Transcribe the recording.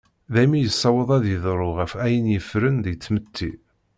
Daymi yessaweḍ ad d-yedlu ɣef ayen yeffren deg tmetti.